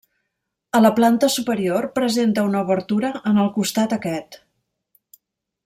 A la planta superior presenta una obertura en el costat aquest.